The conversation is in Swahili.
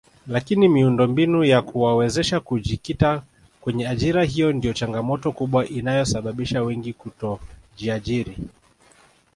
Lakini miundombinu ya kuwawezesha kujikita kwenye ajira hiyo ndio changamoto kubwa inayosababisha wengi kutojiajiri